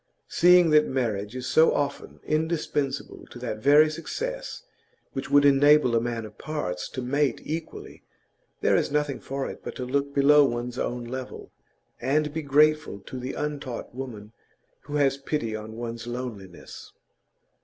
Seeing that marriage is so often indispensable to that very success which would enable a man of parts to mate equally, there is nothing for it but to look below one's own level, and be grateful to the untaught woman who has pity on one's loneliness.